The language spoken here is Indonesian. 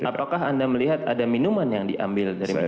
apakah anda melihat ada minuman yang diambil dari minuman